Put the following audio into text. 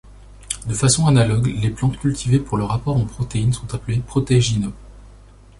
De façon analogue, les plantes cultivées pour leur apport en protéines sont appelées protéagineux.